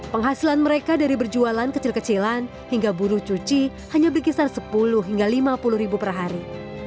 penghasilan mereka dari berjualan kecil kecilan hingga buruh cuci hanya berkisar sepuluh hingga lima puluh ribu per hari